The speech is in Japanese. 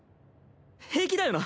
平気だよな？